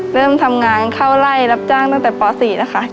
เริ่มทำงานเข้าไล่รับจ้างตั้งแต่ป๔นะคะ